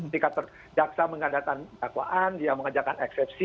jika terjaksa mengadakan dakwaan dia mengajakkan eksepsi